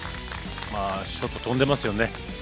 ショット飛んでますよね。